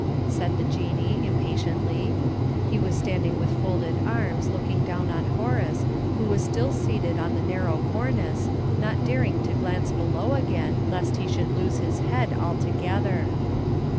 said the Jinnee, impatiently. He was standing with folded arms looking down on Horace, who was still seated on the narrow cornice, not daring to glance below again, lest he should lose his head altogether.